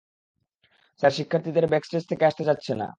Sir, শিক্ষার্থীরা backstage থেকে আসতে চাচ্ছে না।